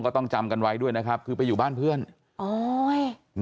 ต้องจำกันไว้ด้วยนะครับคือไปอยู่บ้านเพื่อนโอ้ย